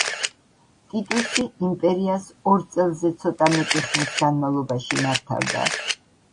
ტიტუსი იმპერიას ორ წელზე ცოტა მეტი ხნის განმავლობაში მართავდა.